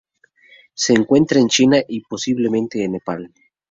Se encuentra en China y posiblemente en Nepal.